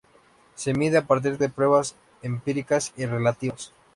Se mide a partir de pruebas empíricas y relativas.